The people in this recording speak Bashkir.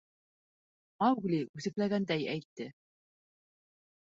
— Маугли үсекләгәндәй әйтте.